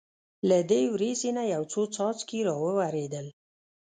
له دې وریځې نه یو څو څاڅکي را وورېدل.